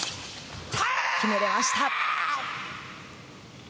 決められました。